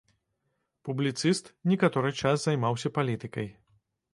Публіцыст, некаторы час займаўся палітыкай.